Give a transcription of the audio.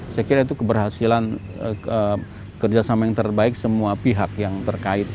saya kira itu keberhasilan kerjasama yang terbaik semua pihak yang terkait